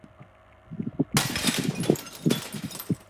它在不列颠群岛主要用来描述一类丘陵要塞以及大西洋圆屋。